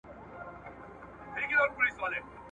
ډېر پخوا د نیل د سیند پر پوري غاړه ,